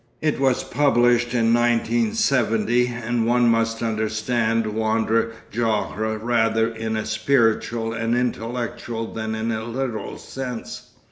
It was published in 1970, and one must understand Wander Jahre rather in a spiritual and intellectual than in a literal sense.